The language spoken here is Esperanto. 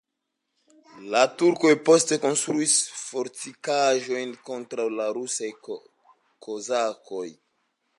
La turkoj poste konstruis fortikaĵon kontraŭ la rusaj kozakoj.